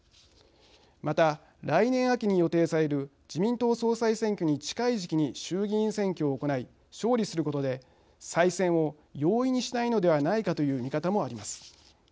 また来年秋に予定される自民党総裁選挙に近い時期に衆議院選挙を行い勝利することで再選を容易にしたいのではないかという見方もあります。